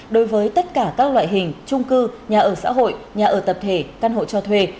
đối với tất cả các loại hình trung cư nhà ở xã hội nhà ở tập thể căn hộ cho thuê